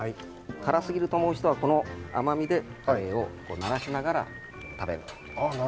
辛すぎると思う人はこの甘みでカレーを慣らしながら食べると。